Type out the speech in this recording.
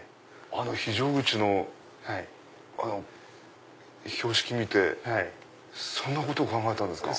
あの非常口の標識見てそんなことを考えたんですか？